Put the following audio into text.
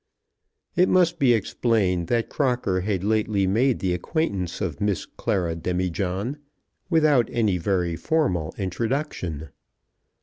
It must be explained that Crocker had lately made the acquaintance of Miss Clara Demijohn without any very formal introduction.